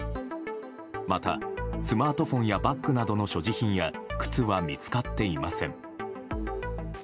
また、スマートフォンやバッグなどの所持品や靴は見つかっていません。